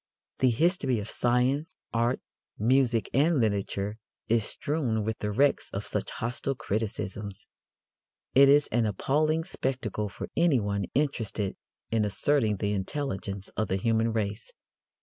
The history of science, art, music and literature is strewn with the wrecks of such hostile criticisms. It is an appalling spectacle for anyone interested in asserting the intelligence of the human race.